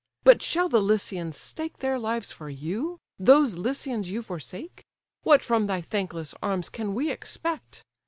but shall the Lycians stake Their lives for you? those Lycians you forsake? What from thy thankless arms can we expect?